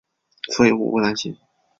所以我不担心